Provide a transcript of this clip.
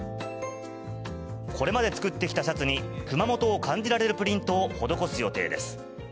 これまで作ってきたシャツに熊本を感じられるプリントを施す予定です。